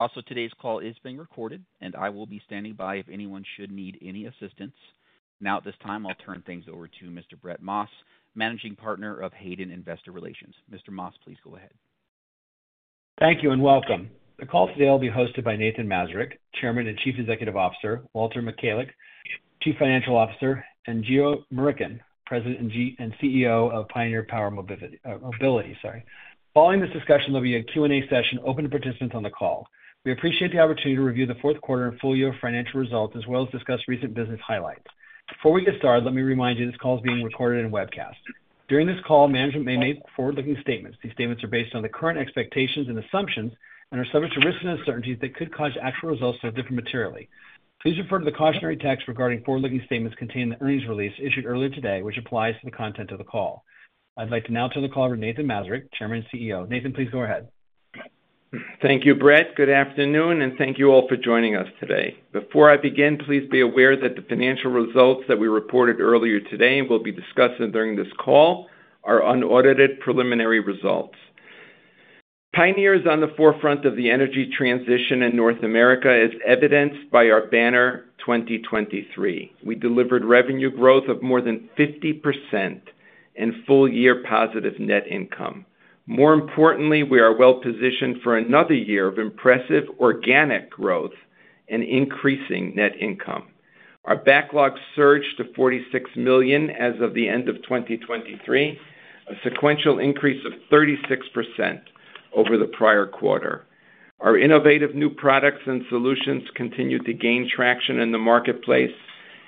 Also, today's call is being recorded, and I will be standing by if anyone should need any assistance. Now, at this time, I'll turn things over to Mr. Brett Maas, Managing Partner of Hayden Investor Relations. Mr. Maas, please go ahead. Thank you, and welcome. The call today will be hosted by Nathan Mazurek, Chairman and Chief Executive Officer, Walter Michalec, Chief Financial Officer, and Geo Murickan, President and CEO of Pioneer eMobility. Following this discussion, there'll be a Q&A session open to participants on the call. We appreciate the opportunity to review the fourth quarter and full year financial results, as well as discuss recent business highlights. Before we get started, let me remind you, this call is being recorded and webcast. During this call, management may make forward-looking statements. These statements are based on the current expectations and assumptions and are subject to risks and uncertainties that could cause actual results to differ materially. Please refer to the cautionary text regarding forward-looking statements contained in the earnings release issued earlier today, which applies to the content of the call. I'd like to now turn the call over to Nathan Mazurek, Chairman and CEO. Nathan, please go ahead. Thank you, Brett. Good afternoon, and thank you all for joining us today. Before I begin, please be aware that the financial results that we reported earlier today and will be discussing during this call are unaudited, preliminary results. Pioneer is on the forefront of the energy transition in North America, as evidenced by our banner 2023. We delivered revenue growth of more than 50% and full-year positive net income. More importantly, we are well-positioned for another year of impressive organic growth and increasing net income. Our backlog surged to $46 million as of the end of 2023, a sequential increase of 36% over the prior quarter. Our innovative new products and solutions continue to gain traction in the marketplace,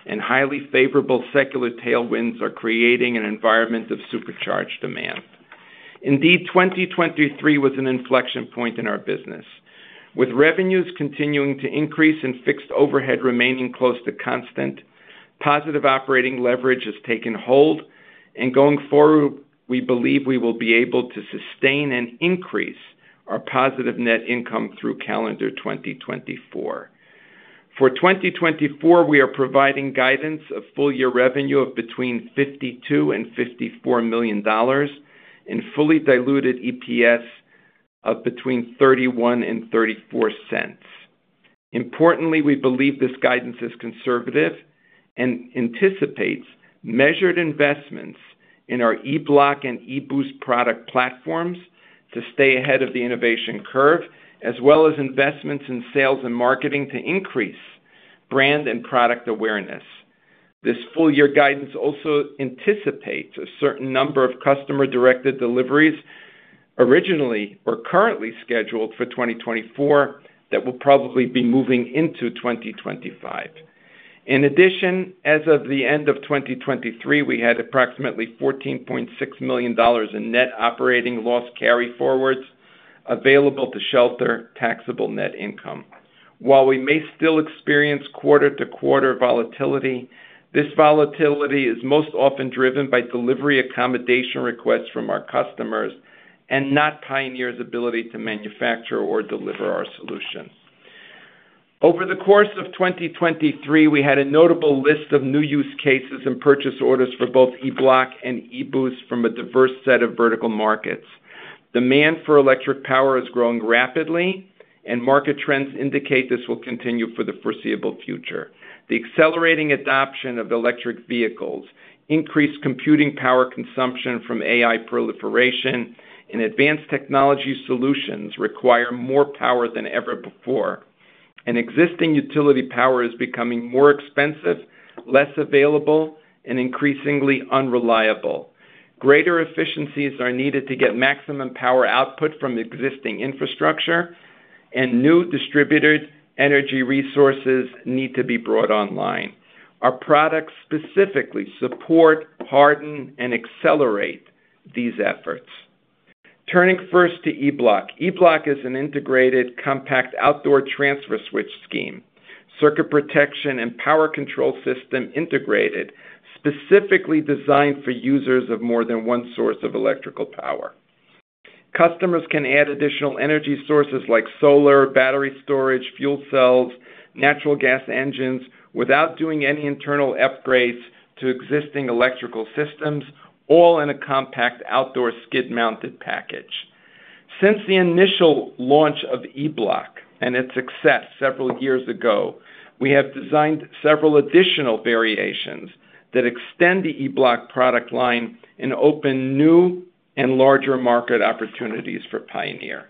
and highly favorable secular tailwinds are creating an environment of supercharged demand. Indeed, 2023 was an inflection point in our business. With revenues continuing to increase and fixed overhead remaining close to constant, positive operating leverage has taken hold, and going forward, we believe we will be able to sustain and increase our positive net income through calendar 2024. For 2024, we are providing guidance of full-year revenue of between $52 million and $54 million and fully diluted EPS of between $0.31 and $0.34. Importantly, we believe this guidance is conservative and anticipates measured investments in our e-Bloc and e-Boost product platforms to stay ahead of the innovation curve, as well as investments in sales and marketing to increase brand and product awareness. This full-year guidance also anticipates a certain number of customer-directed deliveries originally or currently scheduled for 2024, that will probably be moving into 2025. In addition, as of the end of 2023, we had approximately $14.6 million in net operating loss carryforwards available to shelter taxable net income. While we may still experience quarter-to-quarter volatility, this volatility is most often driven by delivery accommodation requests from our customers and not Pioneer's ability to manufacture or deliver our solutions. Over the course of 2023, we had a notable list of new use cases and purchase orders for both e-Bloc and e-Boost from a diverse set of vertical markets. Demand for electric power is growing rapidly, and market trends indicate this will continue for the foreseeable future. The accelerating adoption of electric vehicles, increased computing power consumption from AI proliferation, and advanced technology solutions require more power than ever before, and existing utility power is becoming more expensive, less available, and increasingly unreliable. Greater efficiencies are needed to get maximum power output from existing infrastructure, and new distributed energy resources need to be brought online. Our products specifically support, harden, and accelerate these efforts. Turning first to e-Bloc. e-Bloc is an integrated, compact outdoor transfer switch scheme, circuit protection and power control system integrated, specifically designed for users of more than one source of electrical power. Customers can add additional energy sources like solar, battery storage, fuel cells, natural gas engines, without doing any internal upgrades to existing electrical systems, all in a compact outdoor skid-mounted package. Since the initial launch of e-Bloc and its success several years ago, we have designed several additional variations that extend the e-Bloc product line and open new and larger market opportunities for Pioneer.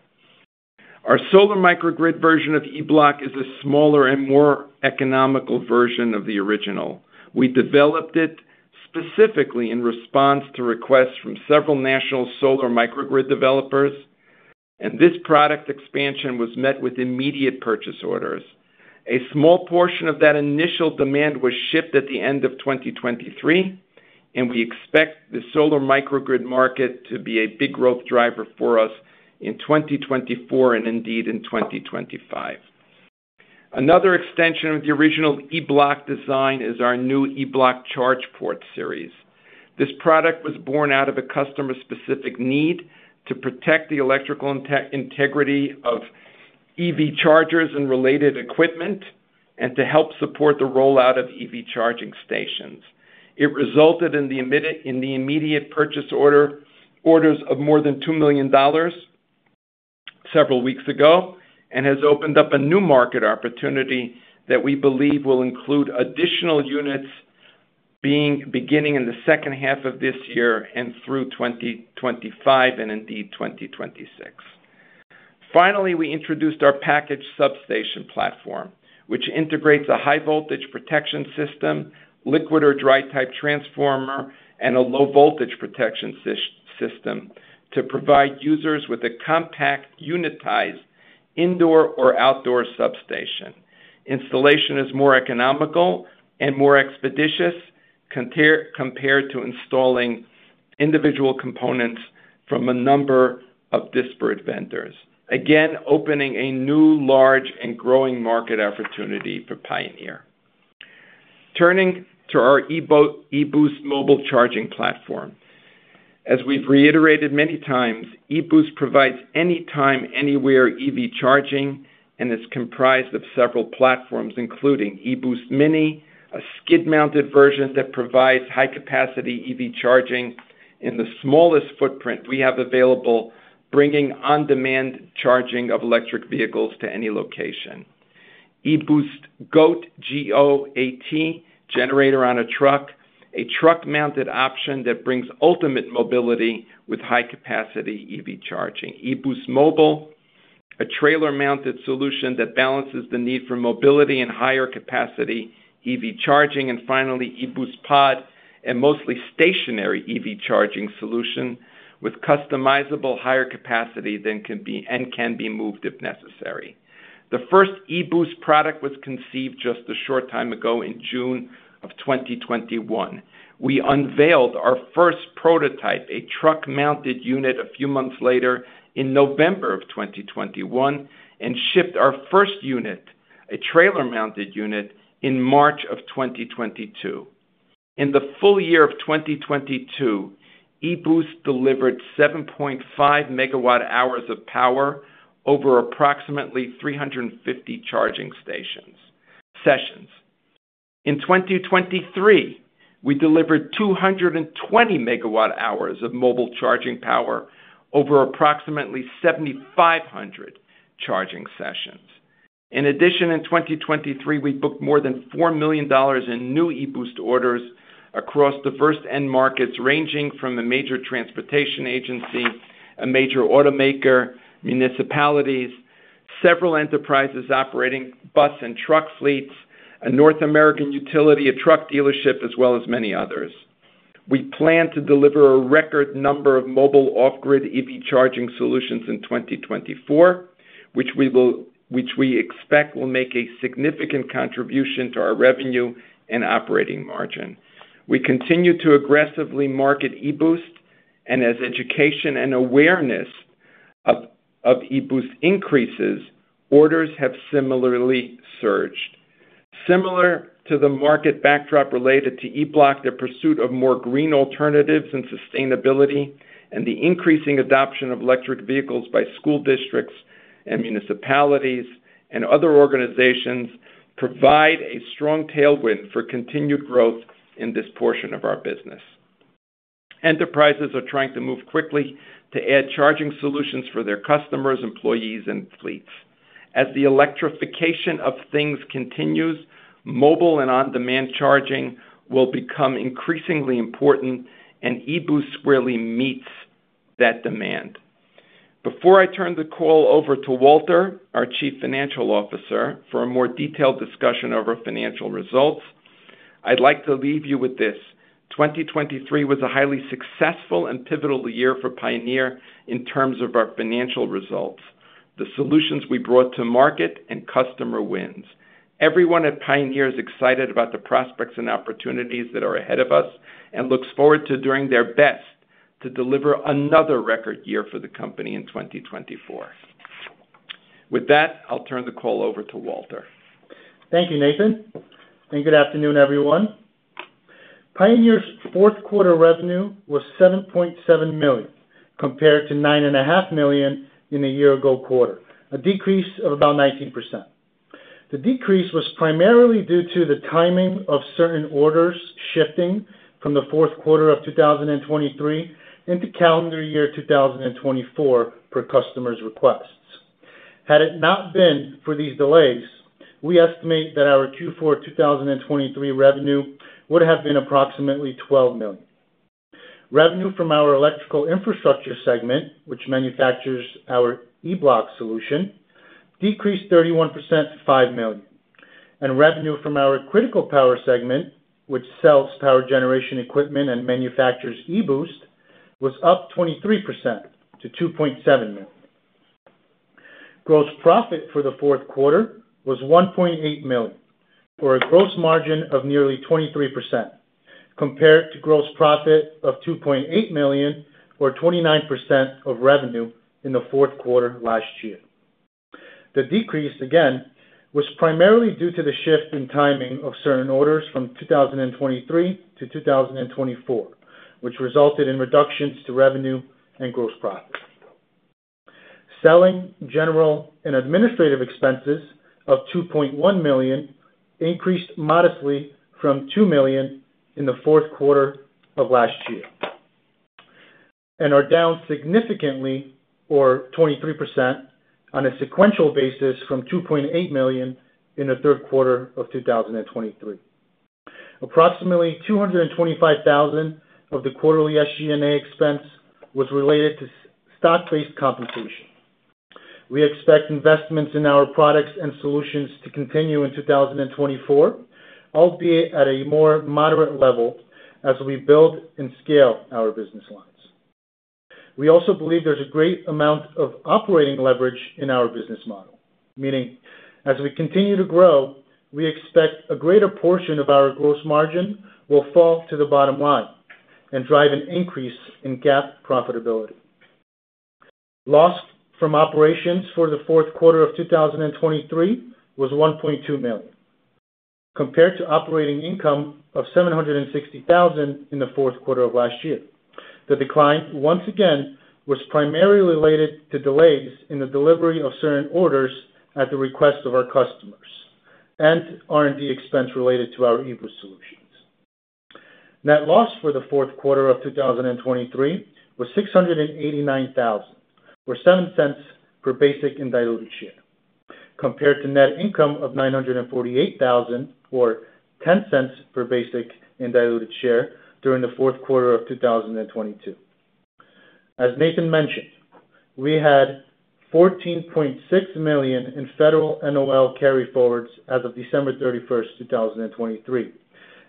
Our solar microgrid version of e-Bloc is a smaller and more economical version of the original. We developed it specifically in response to requests from several national solar microgrid developers, and this product expansion was met with immediate purchase orders. A small portion of that initial demand was shipped at the end of 2023, and we expect the solar microgrid market to be a big growth driver for us in 2024 and indeed in 2025. Another extension of the original e-Bloc design is our new e-Bloc Charge Port series. This product was born out of a customer-specific need to protect the electrical integrity of EV chargers and related equipment and to help support the rollout of EV charging stations. It resulted in the immediate purchase orders of more than $2 million several weeks ago, and has opened up a new market opportunity that we believe will include additional units beginning in the second half of this year and through 2025 and indeed, 2026. Finally, we introduced our packaged substation platform, which integrates a high-voltage protection system, liquid or dry-type transformer, and a low-voltage protection system to provide users with a compact, unitized, indoor or outdoor substation. Installation is more economical and more expeditious, compared to installing individual components from a number of disparate vendors. Again, opening a new, large, and growing market opportunity for Pioneer. Turning to our e-Boost mobile charging platform. As we've reiterated many times, e-Boost provides anytime, anywhere EV charging, and is comprised of several platforms, including e-Boost Mini, a skid-mounted version that provides high-capacity EV charging in the smallest footprint we have available, bringing on-demand charging of electric vehicles to any location. e-Boost GOAT, G-O-A-T, Generator On A Truck, a truck-mounted option that brings ultimate mobility with high-capacity EV charging. e-Boost Mobile, a trailer-mounted solution that balances the need for mobility and higher capacity EV charging. And finally, e-Boost Pod, a mostly stationary EV charging solution with customizable higher capacity that can be-- and can be moved if necessary. The first e-Boost product was conceived just a short time ago, in June of 2021. We unveiled our first prototype, a truck-mounted unit, a few months later in November of 2021, and shipped our first unit, a trailer-mounted unit, in March of 2022. In the full year of 2022, e-Boost delivered 7.5 MWh of power over approximately 350 charging sessions. In 2023, we delivered 220 MWh of mobile charging power over approximately 7,500 charging sessions. In addition, in 2023, we booked more than $4 million in new e-Boost orders across diverse end markets, ranging from a major transportation agency, a major automaker, municipalities, several enterprises operating bus and truck fleets, a North American utility, a truck dealership, as well as many others. We plan to deliver a record number of mobile off-grid EV charging solutions in 2024, which we expect will make a significant contribution to our revenue and operating margin. We continue to aggressively market e-Boost, and as education and awareness of e-Boost increases, orders have similarly surged. Similar to the market backdrop related to e-Bloc, the pursuit of more green alternatives and sustainability, and the increasing adoption of electric vehicles by school districts and municipalities and other organizations, provide a strong tailwind for continued growth in this portion of our business. Enterprises are trying to move quickly to add charging solutions for their customers, employees, and fleets. As the electrification of things continues, mobile and on-demand charging will become increasingly important, and e-Boost really meets that demand. Before I turn the call over to Walter, our Chief Financial Officer, for a more detailed discussion of our financial results, I'd like to leave you with this: 2023 was a highly successful and pivotal year for Pioneer in terms of our financial results, the solutions we brought to market, and customer wins. Everyone at Pioneer is excited about the prospects and opportunities that are ahead of us, and looks forward to doing their best to deliver another record year for the company in 2024. With that, I'll turn the call over to Walter. Thank you, Nathan, and good afternoon, everyone. Pioneer's fourth quarter revenue was $7.7 million, compared to $9.5 million in the year-ago quarter, a decrease of about 19%. The decrease was primarily due to the timing of certain orders shifting from the fourth quarter of 2023 into calendar year 2024, per customers' requests. Had it not been for these delays, we estimate that our Q4 2023 revenue would have been approximately $12 million. Revenue from our electrical infrastructure segment, which manufactures our e-Bloc solution, decreased 31% to $5 million. Revenue from our critical power segment, which sells power generation equipment and manufactures e-Boost, was up 23% to $2.7 million. Gross profit for the fourth quarter was $1.8 million, for a gross margin of nearly 23%, compared to gross profit of $2.8 million, or 29% of revenue, in the fourth quarter last year. The decrease, again, was primarily due to the shift in timing of certain orders from 2023 to 2024, which resulted in reductions to revenue and gross profit. Selling general and administrative expenses of $2.1 million increased modestly from $2 million in the fourth quarter of last year, and are down significantly, or 23%, on a sequential basis from $2.8 million in the third quarter of 2023. Approximately $225,000 of the quarterly SG&A expense was related to stock-based compensation. We expect investments in our products and solutions to continue in 2024, albeit at a more moderate level, as we build and scale our business lines. We also believe there's a great amount of operating leverage in our business model, meaning as we continue to grow, we expect a greater portion of our gross margin will fall to the bottom line and drive an increase in GAAP profitability. Loss from operations for the fourth quarter of 2023 was $1.2 million, compared to operating income of $760,000 in the fourth quarter of last year. The decline, once again, was primarily related to delays in the delivery of certain orders at the request of our customers and R&D expense related to our e-Boost solutions. Net loss for the fourth quarter of 2023 was $689,000, or $0.07 per basic and diluted share, compared to net income of $948,000, or $0.10 per basic and diluted share during the fourth quarter of 2022. As Nathan mentioned, we had $14.6 million in federal NOL carryforwards as of December 31, 2023,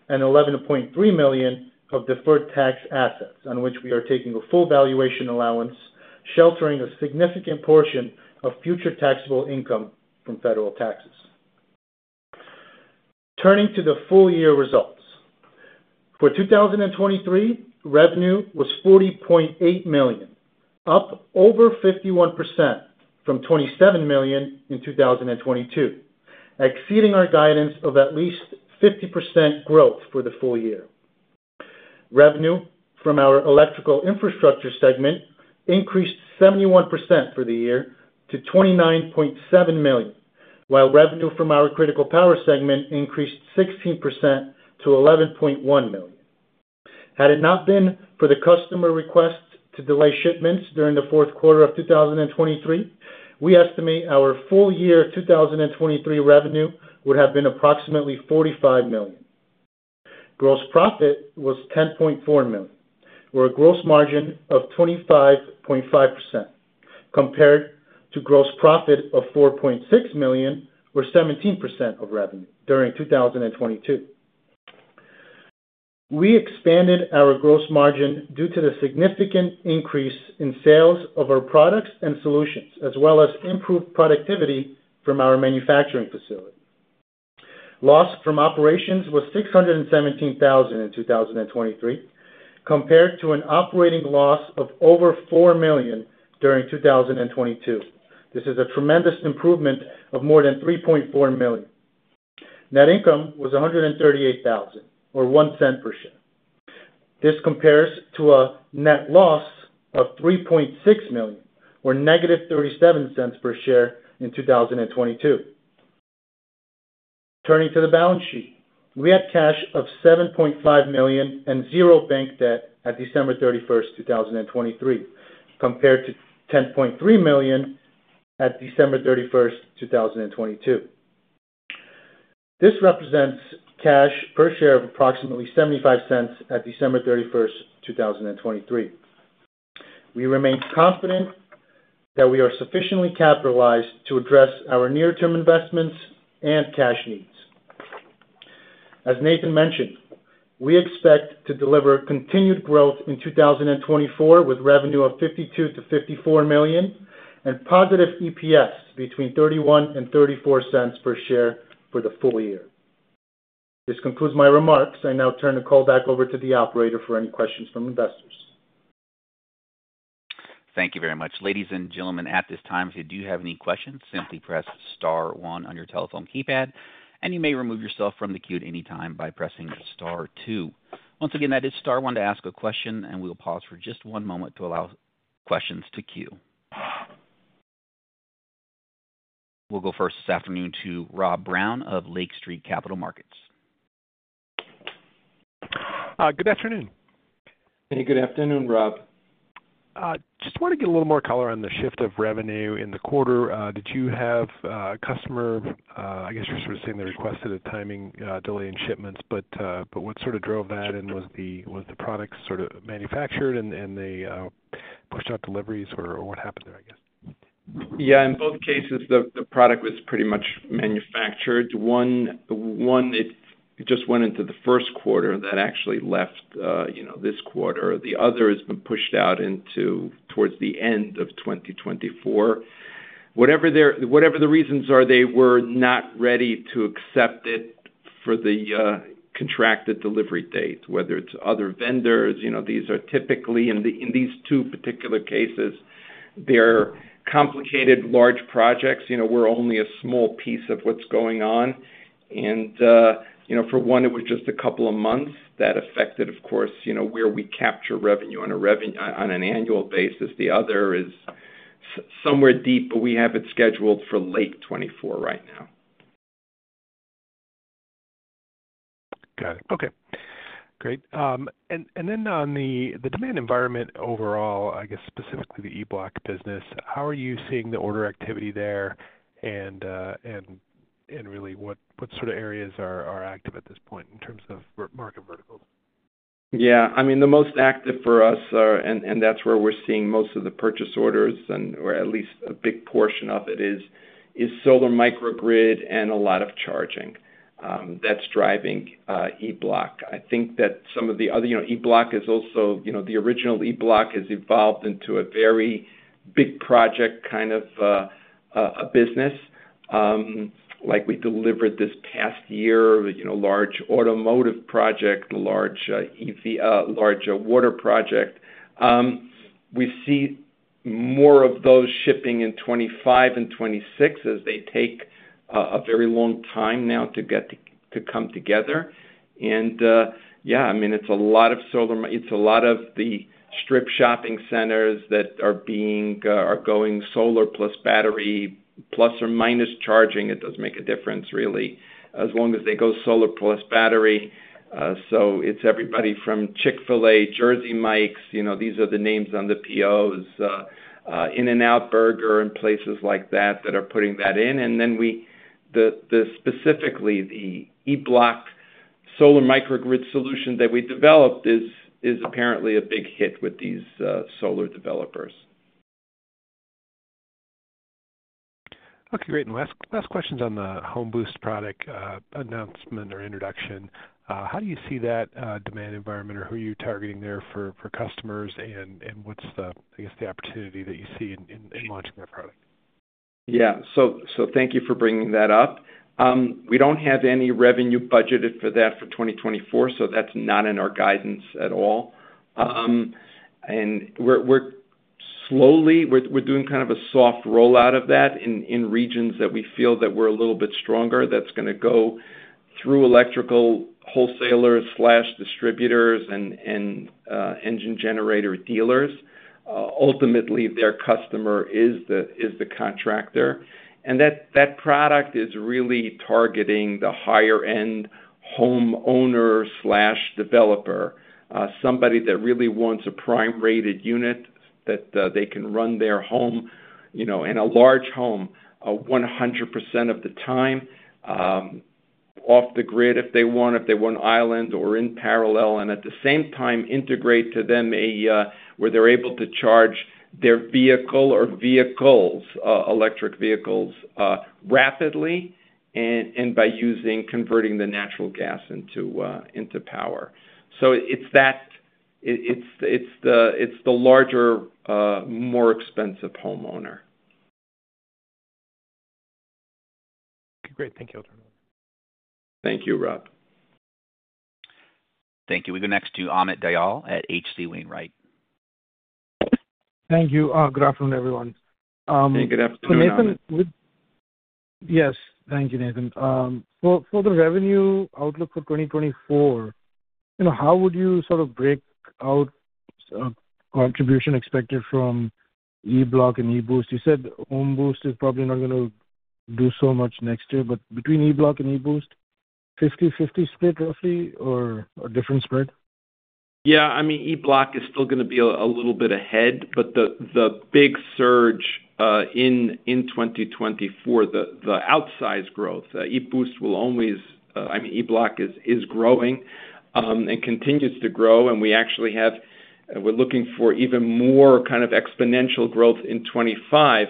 and $11.3 million of deferred tax assets, on which we are taking a full valuation allowance, sheltering a significant portion of future taxable income from federal taxes. Turning to the full year results. For 2023, revenue was $40.8 million, up over 51% from $27 million in 2022, exceeding our guidance of at least 50% growth for the full year. Revenue from our electrical infrastructure segment increased 71% for the year to $29.7 million, while revenue from our critical power segment increased 16% to $11.1 million. Had it not been for the customer requests to delay shipments during the fourth quarter of 2023, we estimate our full year 2023 revenue would have been approximately $45 million. Gross profit was $10.4 million, or a gross margin of 25.5%, compared to gross profit of $4.6 million, or 17% of revenue during 2022. We expanded our gross margin due to the significant increase in sales of our products and solutions, as well as improved productivity from our manufacturing facility. Loss from operations was $617,000 in 2023, compared to an operating loss of over $4 million during 2022. This is a tremendous improvement of more than $3.4 million. Net income was $138,000, or $0.01 per share. This compares to a net loss of $3.6 million, or -$0.37 per share in 2022. Turning to the balance sheet. We had cash of $7.5 million and $0 bank debt at December 31, 2023, compared to $10.3 million at December 31, 2022. This represents cash per share of approximately $0.75 at December 31, 2023. We remain confident that we are sufficiently capitalized to address our near-term investments and cash needs. As Nathan mentioned, we expect to deliver continued growth in 2024, with revenue of $52 million-$54 million and positive EPS between $0.31 and $0.34 per share for the full year. This concludes my remarks. I now turn the call back over to the operator for any questions from investors. Thank you very much. Ladies and gentlemen, at this time, if you do have any questions, simply press star one on your telephone keypad, and you may remove yourself from the queue at any time by pressing star two. Once again, that is star one to ask a question, and we will pause for just one moment to allow questions to queue. We'll go first this afternoon to Rob Brown of Lake Street Capital Markets. Good afternoon. Hey, good afternoon, Rob. Just want to get a little more color on the shift of revenue in the quarter. Did you have customer? I guess you're sort of saying they requested a timing delay in shipments, but what sort of drove that? And was the product sort of manufactured and they pushed out deliveries or what happened there, I guess? Yeah, in both cases, the product was pretty much manufactured. One, it just went into the first quarter that actually left this quarter. The other has been pushed out into towards the end of 2024. Whatever their reasons are, they were not ready to accept it for the contracted delivery date, whether it's other vendors. You know, these are typically in these two particular cases, they're complicated, large projects. You know, we're only a small piece of what's going on. And, you know, for one, it was just a couple of months that affected, of course, you know, where we capture revenue on a revenue on an annual basis. The other is somewhere deep, but we have it scheduled for late 2024 right now.... Got it. Okay, great. And then on the demand environment overall, I guess specifically the e-Bloc business, how are you seeing the order activity there? And really, what sort of areas are active at this point in terms of market verticals? Yeah, I mean, the most active for us are, and, and that's where we're seeing most of the purchase orders and or at least a big portion of it is solar microgrid and a lot of charging, that's driving e-Bloc. I think that some of the other, you know, e-Bloc is also, you know, the original e-Bloc has evolved into a very big project kind of a business. Like we delivered this past year, you know, large automotive project, large EV, large water project. We see more of those shipping in 2025 and 2026 as they take a very long time now to get to come together. And, yeah, I mean, it's a lot of solar—it's a lot of the strip shopping centers that are being are going solar plus battery, plus or minus charging. It does make a difference really, as long as they go solar plus battery. So it's everybody from Chick-fil-A, Jersey Mike's, you know, these are the names on the POs, In-N-Out Burger, and places like that, that are putting that in. And then the specifically, the e-Bloc solar microgrid solution that we developed is apparently a big hit with these solar developers. Okay, great. And last, last questions on the HOMe-Boost product, announcement or introduction. How do you see that, demand environment, or who are you targeting there for, for customers? And, and what's the, I guess, the opportunity that you see in, in, in launching that product? Yeah. So thank you for bringing that up. We don't have any revenue budgeted for that for 2024, so that's not in our guidance at all. And we're slowly doing kind of a soft rollout of that in regions that we feel that we're a little bit stronger. That's gonna go through electrical wholesalers slash distributors and engine generator dealers. Ultimately, their customer is the contractor. And that product is really targeting the higher-end home owner slash developer. Somebody that really wants a prime-rated unit, that they can run their home, you know, in a large home, 100% of the time, off the grid if they want, if they want island or in parallel, and at the same time integrate to them, where they're able to charge their vehicle or vehicles, electric vehicles, rapidly, and by using converting the natural gas into power. So it's that. It, it's the larger, more expensive homeowner. Great. Thank you. Thank you, Rob. Thank you. We go next to Amit Dayal at H.C. Wainwright. Thank you. Good afternoon, everyone. Hey, good afternoon, Amit. Yes, thank you, Nathan. For the revenue outlook for 2024, you know, how would you sort of break out contribution expected from e-Bloc and e-Boost? You said HOMe-Boost is probably not gonna do so much next year, but between e-Bloc and e-Boost, 50/50 split roughly, or a different spread? Yeah, I mean, e-Bloc is still gonna be a little bit ahead, but the big surge in 2024, the outsized growth, e-Boost will always... I mean, e-Bloc is growing and continues to grow, and we actually have-- we're looking for even more kind of exponential growth in 2025.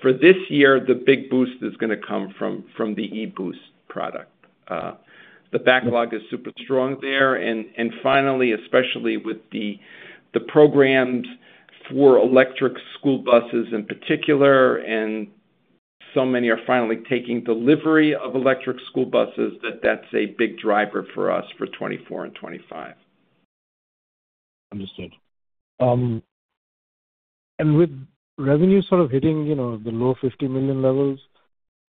For this year, the big boost is gonna come from the e-Boost product. The backlog is super strong there. And finally, especially with the programs for electric school buses in particular, and so many are finally taking delivery of electric school buses, that's a big driver for us for 2024 and 2025. Understood. And with revenue sort of hitting, you know, the low $50 million levels,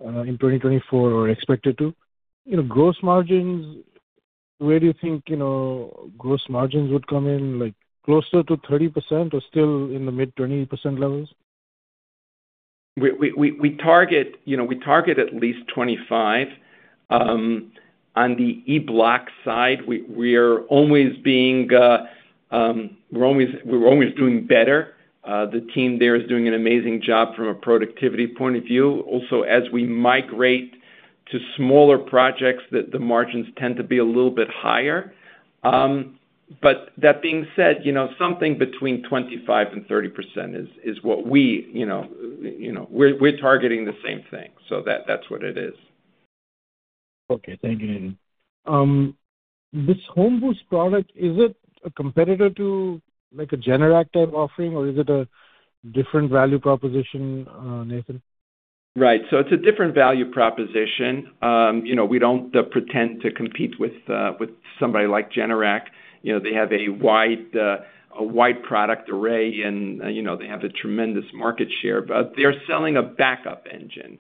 in 2024 or expected to, you know, gross margins, where do you think, you know, gross margins would come in? Like, closer to 30% or still in the mid-20% levels? We target, you know, we target at least 25. On the e-Bloc side, we're always doing better. The team there is doing an amazing job from a productivity point of view. Also, as we migrate to smaller projects, the margins tend to be a little bit higher. But that being said, you know, something between 25% and 30% is what we, you know, we're targeting the same thing. So that's what it is. Okay, thank you, Nathan. This HOMe-Boost product, is it a competitor to like a Generac type offering, or is it a different value proposition, Nathan? Right. So it's a different value proposition. You know, we don't pretend to compete with somebody like Generac. You know, they have a wide product array, and you know, they have a tremendous market share. But they're selling a backup engine,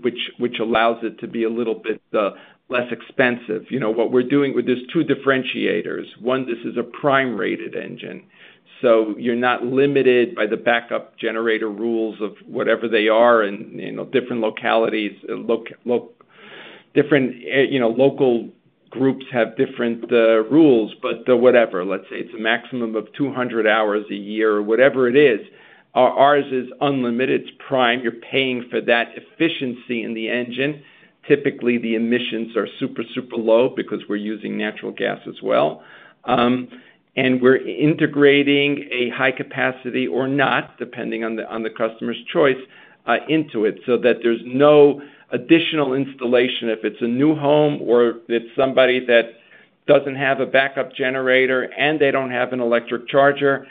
which allows it to be a little bit less expensive. You know, what we're doing with this, two differentiators. One, this is a prime-rated engine, so you're not limited by the backup generator rules of whatever they are in, you know, different localities, different, you know, local groups have different rules, but the whatever, let's say it's a maximum of 200 hours a year or whatever it is. Ours is unlimited, it's prime. You're paying for that efficiency in the engine. Typically, the emissions are super, super low because we're using natural gas as well. And we're integrating a high capacity or not, depending on the customer's choice, into it, so that there's no additional installation. If it's a new home or it's somebody that doesn't have a backup generator and they don't have an electric charger,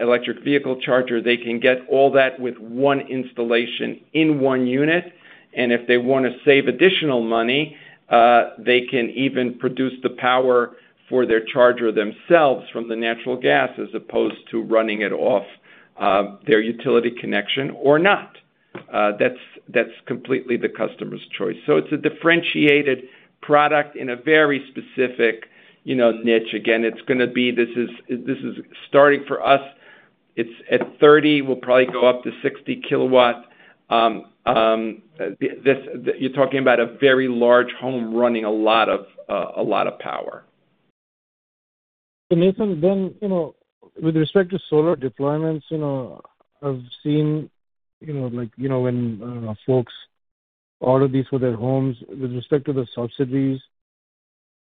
electric vehicle charger, they can get all that with one installation in one unit. And if they wanna save additional money, they can even produce the power for their charger themselves from the natural gas, as opposed to running it off, their utility connection or not. That's, that's completely the customer's choice. So it's a differentiated product in a very specific, you know, niche. Again, it's gonna be this is, this is starting for us. It's at 30, we'll probably go up to 60 kW. This, you're talking about a very large home running a lot of, a lot of power. So, Nathan, then, you know, with respect to solar deployments, you know, I've seen, you know, like, you know, when folks order these for their homes, with respect to the subsidies,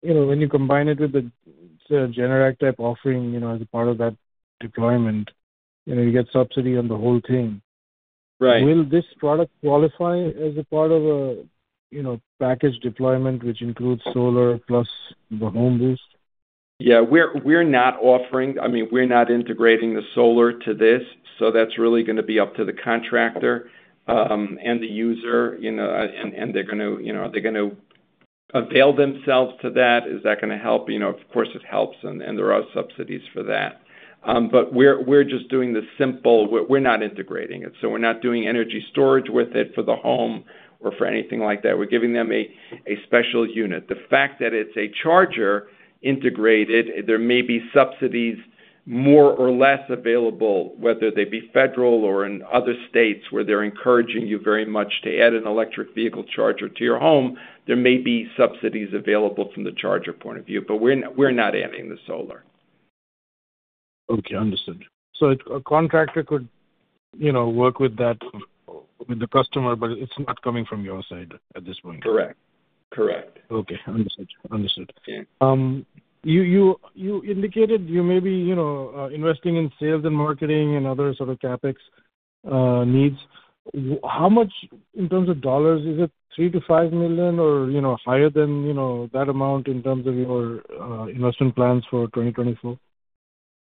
you know, when you combine it with the Generac type offering, you know, as a part of that deployment, you know, you get subsidy on the whole thing. Right. Will this product qualify as a part of a, you know, package deployment, which includes solar plus the HOMe-Boost? Yeah, we're not offering—I mean, we're not integrating the solar to this, so that's really gonna be up to the contractor and the user, you know, and they're gonna, you know, are they gonna avail themselves to that? Is that gonna help? You know, of course, it helps, and there are subsidies for that. But we're just doing the simple. We're not integrating it, so we're not doing energy storage with it for the home or for anything like that. We're giving them a special unit. The fact that it's a charger integrated, there may be subsidies more or less available, whether they be federal or in other states, where they're encouraging you very much to add an electric vehicle charger to your home. There may be subsidies available from the charger point of view, but we're not, we're not adding the solar. Okay, understood. So a contractor could, you know, work with that, with the customer, but it's not coming from your side at this point? Correct. Correct. Okay, understood. Understood. Yeah. You indicated you may be, you know, investing in sales and marketing and other sort of CapEx needs. How much, in terms of dollars, is it $3 million-$5 million or, you know, higher than, you know, that amount in terms of your investment plans for 2024? Yeah.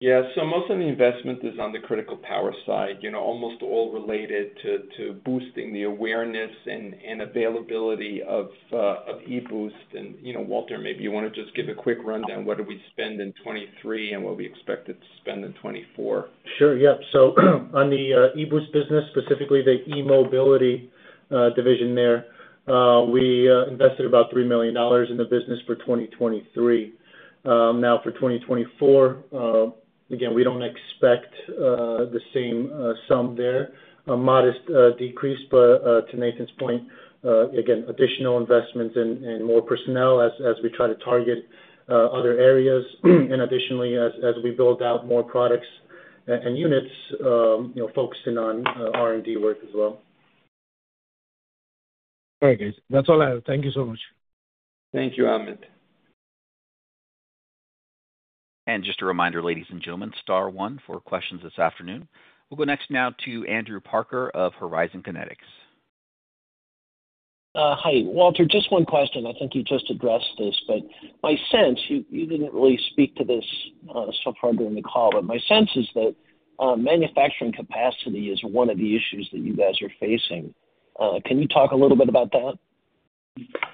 So most of the investment is on the critical power side, you know, almost all related to, to boosting the awareness and, and availability of, of e-Boost. And, you know, Walter, maybe you wanna just give a quick rundown, what do we spend in 2023 and what we expected to spend in 2024? Sure. Yeah. So on the e-Boost business, specifically the eMobility division there, we invested about $3 million in the business for 2023. Now, for 2024, again, we don't expect the same sum there. A modest decrease, but to Nathan's point, again, additional investments and more personnel as we try to target other areas. And additionally, as we build out more products and units, you know, focusing on R&D work as well. All right, guys. That's all I have. Thank you so much. Thank you, Amit. Just a reminder, ladies and gentlemen, star one for questions this afternoon. We'll go next now to Andrew Parker of Horizon Kinetics. Hi, Walter, just one question. I think you just addressed this, but my sense you didn't really speak to this so far during the call, but my sense is that manufacturing capacity is one of the issues that you guys are facing. Can you talk a little bit about that?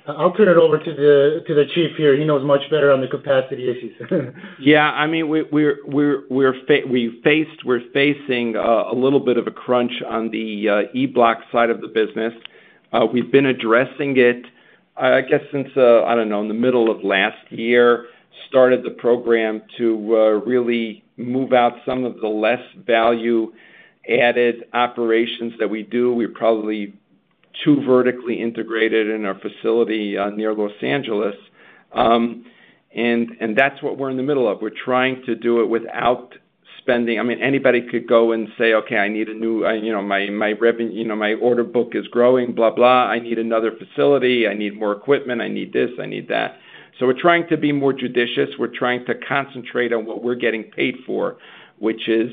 I'll turn it over to the chief here. He knows much better on the capacity issues. Yeah, I mean, we're facing a little bit of a crunch on the e-Bloc side of the business. We've been addressing it, I guess, since, I don't know, in the middle of last year. Started the program to really move out some of the less value-added operations that we do. We're probably too vertically integrated in our facility near Los Angeles. And that's what we're in the middle of. We're trying to do it without spending... I mean, anybody could go and say: Okay, I need a new, you know, my order book is growing, blah, blah. I need another facility. I need more equipment. I need this, I need that. So we're trying to be more judicious. We're trying to concentrate on what we're getting paid for, which is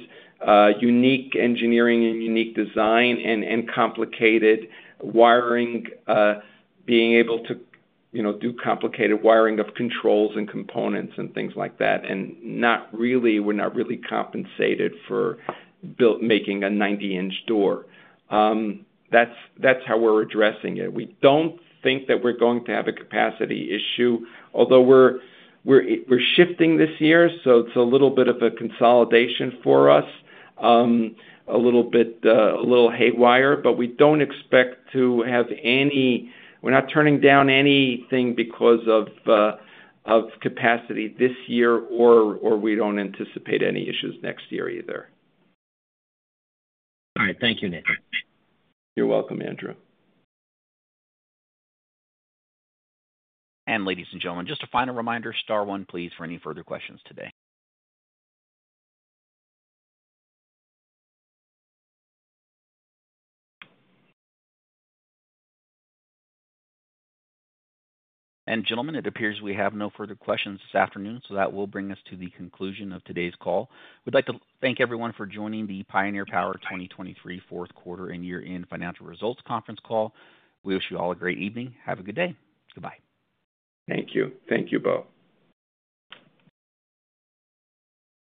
unique engineering and unique design and complicated wiring. Being able to, you know, do complicated wiring of controls and components and things like that, and we're not really compensated for making a 90-inch door. That's how we're addressing it. We don't think that we're going to have a capacity issue, although we're shifting this year, so it's a little bit of a consolidation for us. A little bit haywire, but we don't expect to have any. We're not turning down anything because of capacity this year, or we don't anticipate any issues next year either. All right. Thank you, Nathan. You're welcome, Andrew. Ladies and gentlemen, just a final reminder, star one, please, for any further questions today. Gentlemen, it appears we have no further questions this afternoon, so that will bring us to the conclusion of today's call. We'd like to thank everyone for joining the Pioneer Power 2023 fourth quarter and year-end financial results conference call. We wish you all a great evening. Have a good day. Goodbye. Thank you. Thank you, Bo.